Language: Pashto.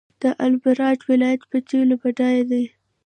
د البرټا ولایت په تیلو بډایه دی.